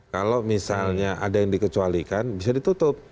kalau misalnya ada yang dikecualikan bisa ditutup